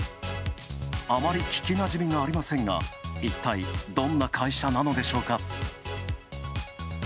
あまり聞き馴染みがありませんが、いったい、どんな会社なのでしょうか？